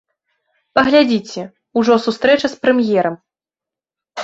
Паглядзіце, ужо сустрэча з прэм'ерам.